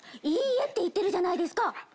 「いいえ」って言ってるじゃないですか。